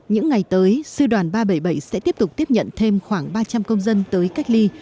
những ngày tới sư đoàn ba trăm bảy mươi bảy sẽ tiếp tục tiếp nhận thêm khoảng ba trăm linh công dân tới cách ly